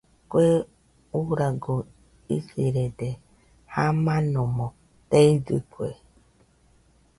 Kue uuragoɨ isirede, jamanomo teidɨkue.